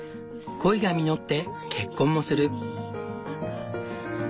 恋が実って結婚もする。